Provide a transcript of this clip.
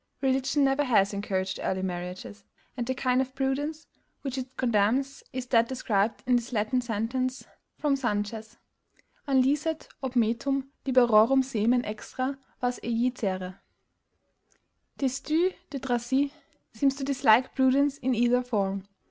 Religion never has encouraged early marriages; and the kind of PRUDENCE which it condemns is that described in this Latin sentence from Sanchez, An licet ob metum liberorum semen extra vas ejicere? Destutt de Tracy seems to dislike prudence in either form.